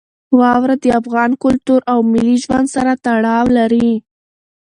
واوره د افغان کلتور او ملي ژوند سره تړاو لري.